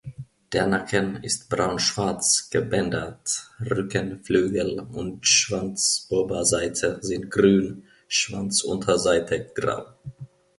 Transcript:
Der Nacken ist braun-schwarz gebändert, Rücken, Flügel und Schwanzoberseite sind grün, Schwanzunterseite grau.